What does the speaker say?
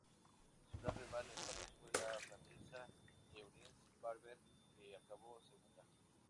Su gran rival en París fue la francesa Eunice Barber que acabó segunda.